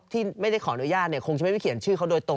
ที่ไม่ได้ขออนุญาตคงจะไม่ไปเขียนชื่อเขาโดยตรง